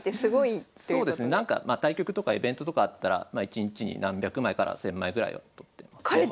対局とかイベントとかあったら一日に何百枚から千枚ぐらいは撮ってますね。